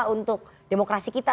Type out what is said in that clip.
untuk demokrasi kita